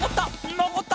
のこった！